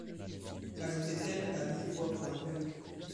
ajoutait-elle à mi-voix pour elle-même.